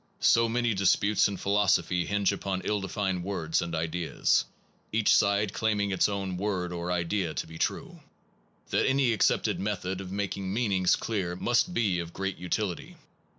So many disputes in philosophy hinge upon ill defined words and ideas, each side claim ing its own word or idea to be true, that any accepted method of making meanings clear must be of great utility.